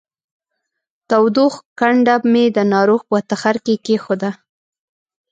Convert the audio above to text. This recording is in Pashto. تودوښ کنډه مې د ناروغ په تخرګ کې کېښوده